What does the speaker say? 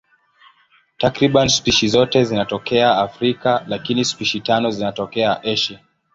Takriban spishi zote zinatokea Afrika, lakini spishi tano zinatokea Asia.